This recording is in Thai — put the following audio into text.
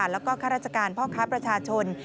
แล้วก็ข้าราชการพ่อค้าประชาชน